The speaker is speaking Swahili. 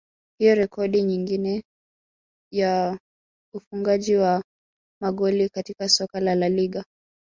Hiyo ni rekodi nyingine ya ufungaji wa magoli katika soka la LaLiga